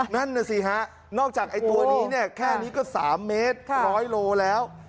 นั่นน่ะสิฮะนอกจากตัวนี้แค่นี้ก็๓เมตร๑๐๐กิโลกรัมแล้ว